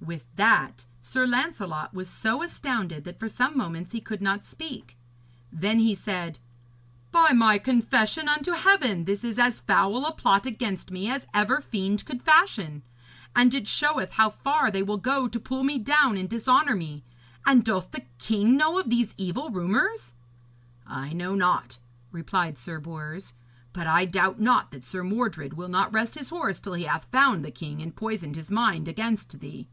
With that Sir Lancelot was so astounded that for some moments he could not speak. Then he said: 'By my confession unto Heaven, this is as foul a plot against me as ever fiend could fashion. And it showeth how far they will go to pull me down and dishonour me. And doth the king know of these evil rumours?' 'I know not,' replied Sir Bors, 'but I doubt not that Sir Mordred will not rest his horse till he hath found the king and poisoned his mind against thee.'